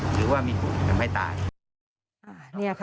หรือว่ามีผู้อื่นทำให้ตาย